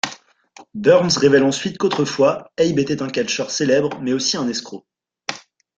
Burns révèle ensuite qu'autrefois, Abe était un catcheur célèbre mais aussi un escroc.